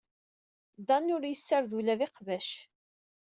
Dan ur yessared ula d iqbac.